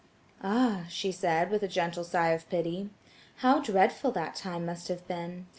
"Ah!" she said, with a gentle sigh of pity, "how dreadful that time must have been.